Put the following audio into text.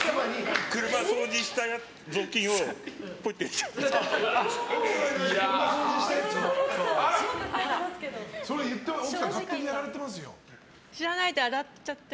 車掃除した雑巾をポイってしちゃって。